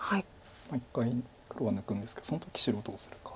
一回黒は抜くんですけどその時白はどうするか。